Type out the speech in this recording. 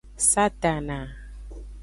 Satana.